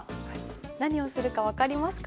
何をするか分かりますか？